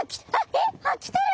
えっ来てる！